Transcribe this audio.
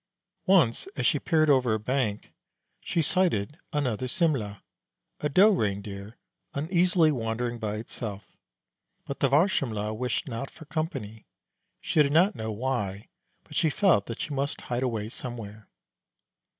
Once as she peered over a bank she sighted another Simle', a doe Reindeer, uneasily wandering by itself. But the Varsimle' wished not for company. She did not know why, but she felt that she must hide away somewhere.